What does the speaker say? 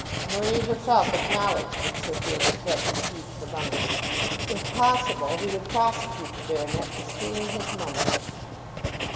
Marie herself acknowledged that Sir Felix had received the money. If possible he would prosecute the baronet for stealing his money.